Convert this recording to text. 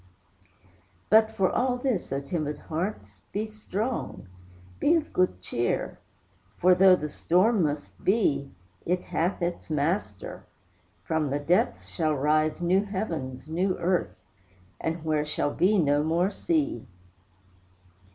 But for all this, O timid hearts, be strong; Be of good cheer, for, though the storm must be, It hath its Master: from the depths shall rise New heavens, new earth, where shall be no more sea.